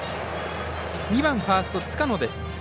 ２番、ファースト塚野。